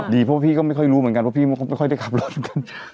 ดีเพราะพี่ก็ไม่ค่อยรู้เหมือนกันเพราะพี่ไม่ค่อยได้ขับรถ